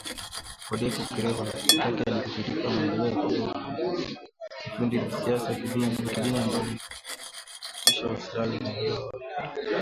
CODECO kirefu chake ni Ushirika kwa Maendeleo ya Kongo ni kundi la kisiasa na kidini ambalo linadai linawakilisha maslahi ya kabila la walendu